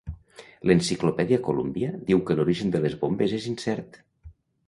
L'enciclopèdia Columbia diu que l'origen de les bombes és incert.